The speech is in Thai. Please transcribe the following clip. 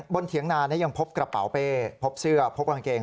เถียงนายังพบกระเป๋าเป้พบเสื้อพบกางเกง